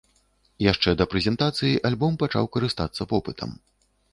Яшчэ да прэзентацыі альбом пачаў карыстацца попытам.